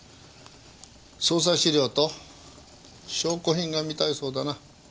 捜査資料と証拠品が見たいそうだな。